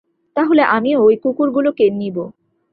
তাহলে আমিও ঐ কুকুর গুলোকে নিব।